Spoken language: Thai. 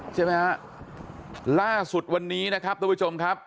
ใช่ไหมฮะล่าสุดวันนี้นะครับทุกผู้ชมครับ